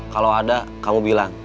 kalau ada kamu bilang